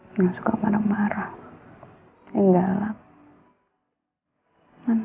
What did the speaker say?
hai yang suka marah marah yang galak hai mana